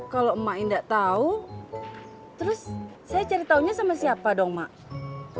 kalau emak ini tidak tahu terus saya cari tahunya sama siapa dong mak